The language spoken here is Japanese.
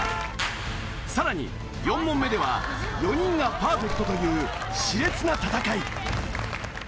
さらに４問目では４人がパーフェクトという熾烈な戦い。